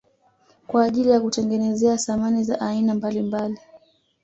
Kwa ajili ya kutengenezea samani za aina mbalimbali